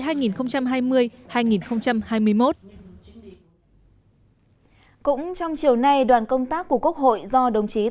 cũng trong chiều nay đoàn công tác của quốc hội do đồng chí tòng thị phóng